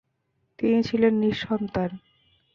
তিনি ছিলেন নিঃসন্তান।